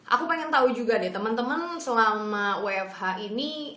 aku pengen tahu juga deh teman teman selama wfh ini